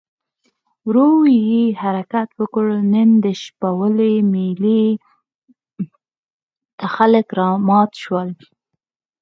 ورو یې حرکت وکړ، نن د شپولې مېلې ته خلک رامات شول.